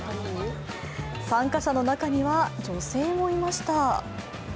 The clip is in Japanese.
参加者の中には女性もいました。